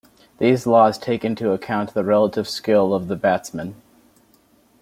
These laws take into account the relative skill of the batsmen.